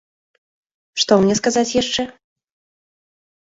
Што мне сказаць яшчэ?